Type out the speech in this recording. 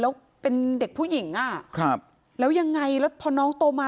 แล้วเป็นเด็กผู้หญิงอ่ะครับแล้วยังไงแล้วพอน้องโตมา